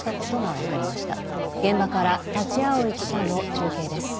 現場から立葵記者の中継です。